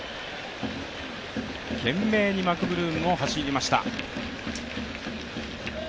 懸命にマクブルームも走りました。